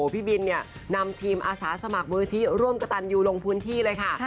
พี่บินนำทีมอาศาสมัครบริฐีร่วมกระตันอยู่ลงพื้นที่เลยค่ะ